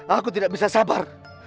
aku tidak bisa sabar